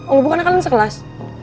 oh bukannya kalian sekelas